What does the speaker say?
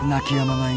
ない。